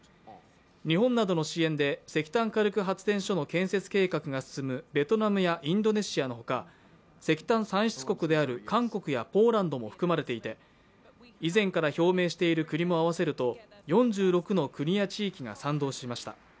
日本などの支援で、石炭火力発電所の建設計画が進むベトナムやインドネシアのほか、石炭産出国である韓国やポーランドも含まれていて以前から表明している国も合わせると４６の国や地域が賛同しました。